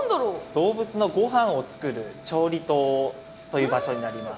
動物のごはんを作る調理棟という場所になります。